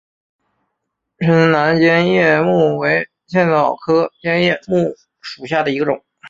滇南尖叶木为茜草科尖叶木属下的一个种。